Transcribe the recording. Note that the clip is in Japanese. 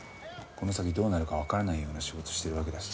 この先どうなるかわからないような仕事してるわけだし。